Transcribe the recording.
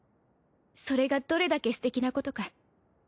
それがどれだけすてきなことか。